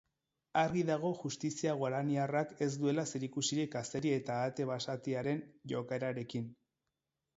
Argi dago justizia guaraniarrak ez duela zerikusirik azeri eta ahate basatiaren jokaerarekin.